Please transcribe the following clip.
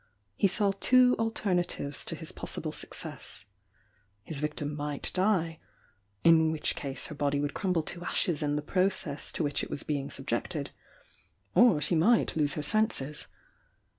He saw two alternatives to his possible success. His victim might die, — in which case her body would crumble to ashes in the process to which it was bein" subjected, — or she might lose her senses.